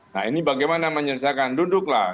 nah ini bagaimana menyelesaikan duduklah